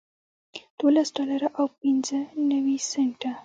دولس ډالره او پنځه نوي سنټه